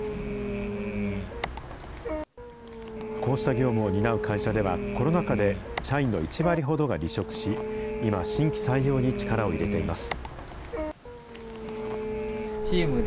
こうした業務を担う会社では、コロナ禍で社員の１割ほどが離職し、今、新規採用に力を入れています。